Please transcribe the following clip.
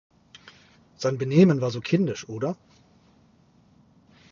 Sein Benehmen war so kindisch, oder?